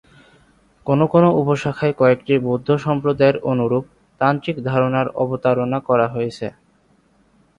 কোনো কোনো উপশাখায় কয়েকটি বৌদ্ধ সম্প্রদায়ের অনুরূপ তান্ত্রিক ধারণার অবতারণা করা হয়েছে।